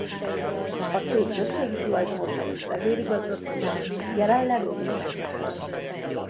A cég többségi tulajdonosa és vezérigazgatója jelenleg Vince McMahon.